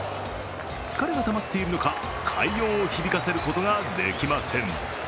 疲れがたまっているのか、快音を響かせることができません。